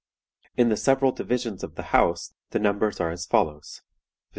In the several divisions of the house the numbers are as follows, viz.